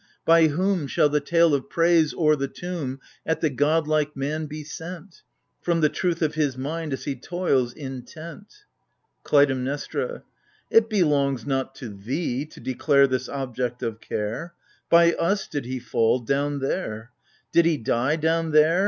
By whom Shall the tale of praise o'er the tomb At the god like man be sent — From the truth of his mind as he toils intent ? KLUTAIMNESTRA, It belongs not to thee to declare This object of care ! By us did he fall— down there ! Did he die— down there